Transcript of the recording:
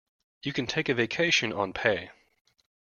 You can take a vacation on pay.